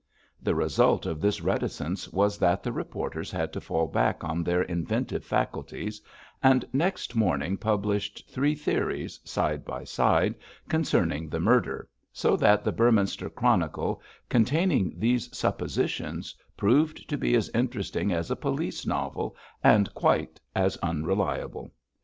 The result of this reticence was that the reporters had to fall back on their inventive faculties, and next morning published three theories, side by side, concerning the murder, so that the Beorminster Chronicle containing these suppositions proved to be as interesting as a police novel, and quite as unreliable.